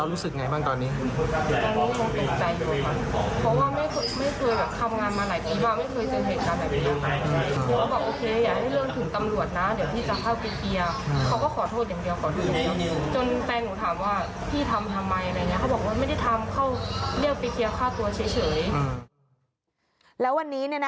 อย่าให้เรื่องถึงตำรวจนะเดี๋ยวพี่จะเข้าไปเคียร์